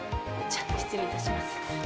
じゃあ失礼いたします。